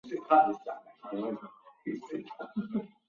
马尼朗贝尔。